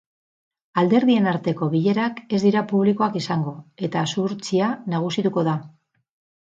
Alderdien arteko bilerak ez dira publikoak izango, eta zuhurtzia nagusituko da.